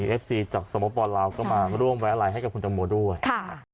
เอฟซีจากสมบบรรลาวก็มาร่วมแวะไลน์ให้กับคุณธรรมด้วย